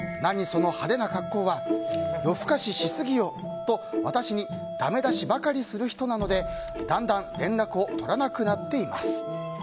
その派手な格好は夜更かししすぎよと私にだめ出しばかりする人なのでだんだん連絡を取らなくなっています。